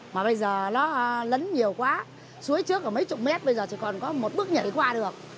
mà bây giờ nó lấn nhiều quá suối trước ở mấy chục mét bây giờ chỉ còn có một bước nhảy qua được